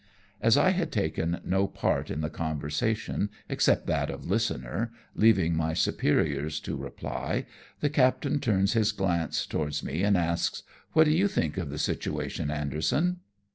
As I had taken no part in the conversation except that of listener, leaving my superiors to reply, the captain turns his glance towards me, and asks, " What do you think of the situation, Anderson